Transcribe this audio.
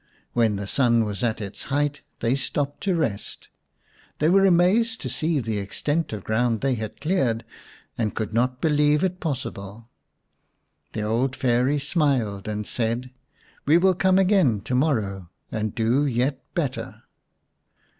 When the sun was at its height they stopped to rest. They were amazed to see the extent of ground they had cleared, and could not believe it possible. The old Fairy smiled and said, " We will come again to morrow and do yet better."